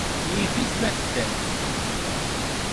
Yif-it ma teddamt.